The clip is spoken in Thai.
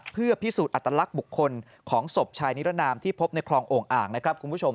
เพื่อพิสูจน์อัตลักษณ์บุคคลของศพชายนิรนามที่พบในคลองโอ่งอ่างนะครับคุณผู้ชม